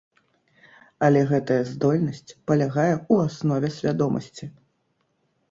Але гэтая здольнасць палягае у аснове свядомасці.